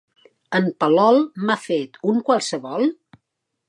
En Palol m'ha fet, un qualsevol?